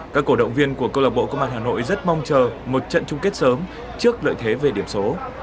các cổ động viên của câu lạc bộ công an hà nội rất mong chờ một trận chung kết sớm trước lợi thế về điểm số